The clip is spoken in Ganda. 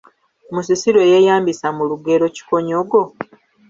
Musisi lwe yeeyambisa mu lugero “Kikonyogo”?